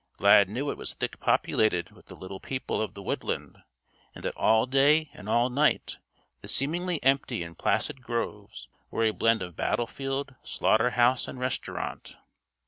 Lad knew it was thick populated with the Little People of the woodland, and that all day and all night the seemingly empty and placid groves were a blend of battlefield, slaughterhouse and restaurant.